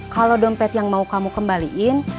kalau dompet yang mau kamu kembaliin